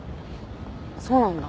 そうなんだ。